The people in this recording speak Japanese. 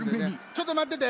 ちょっとまってて。